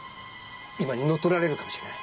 今にのっとられるかもしれない。